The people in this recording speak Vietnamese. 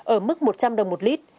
ở mức một trăm linh đồng một lít